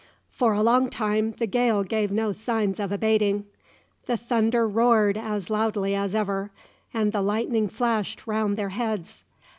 For a long time the gale gave no signs of abating. The thunder roared as loudly as ever, and the lightning flashed round their heads.